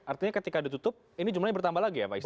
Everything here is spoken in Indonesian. artinya ketika ditutup ini jumlahnya bertambah lagi ya pak isya